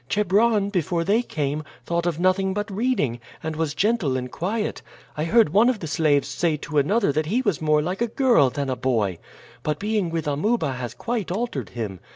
"Chebron, before they came, thought of nothing but reading, and was gentle and quiet. I heard one of the slaves say to another that he was more like a girl than a boy; but being with Amuba has quite altered him.